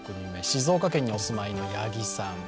静岡県にお住まいの八木さん。